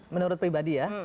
menurut pribadi ya